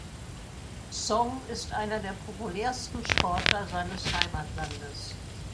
Song ist einer der populärsten Sportler seines Heimatlandes.